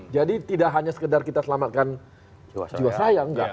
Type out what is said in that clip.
jadi tidak hanya sekedar kita selamatkan jiwa seraya enggak